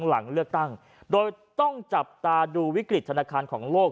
หลังเลือกตั้งโดยต้องจับตาดูวิกฤตธนาคารของโลก